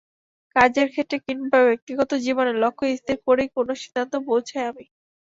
কাজের ক্ষেত্রে কিংবা ব্যক্তিগত জীবনে লক্ষ্য স্থির করেই কোনো সিদ্ধান্তে পৌঁছাই আমি।